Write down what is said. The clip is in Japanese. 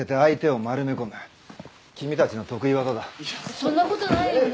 そんなことないよね。